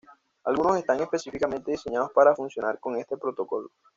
Algunos están específicamente diseñados para funcionar con este protocolo.